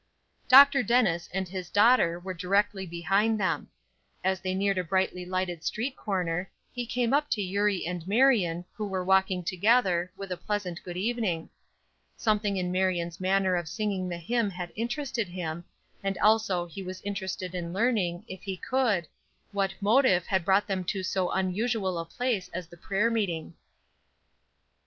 Dr. Dennis and his daughter were directly behind them. As they neared a brightly lighted street corner, he came up to Eurie and Marion, who were walking together, with a pleasant good evening. Something in Marion's manner of singing the hymn had interested him, and also he was interested in learning, if he could, what motive had brought them to so unusual a place as the prayer meeting.